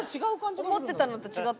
思ってたのと違った。